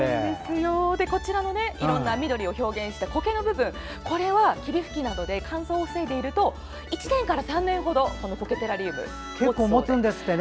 こちらもいろんな緑を表現してコケの部分、これは霧吹きなどで乾燥を防いでいると１年から３年ほどテラリウム、持つそうで。